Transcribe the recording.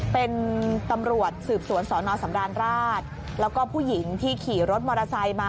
เป็นตำรวจสืบสวนสอนอสำราญราชแล้วก็ผู้หญิงที่ขี่รถมอเตอร์ไซค์มา